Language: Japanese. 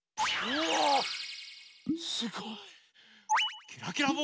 おすごい！